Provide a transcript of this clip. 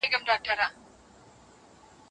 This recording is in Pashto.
مدافع وکیلان د خپلو اساسي حقونو دفاع نه سي کولای.